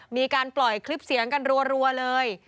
มีการปล่อยคลิปเสียงกันรัวเลย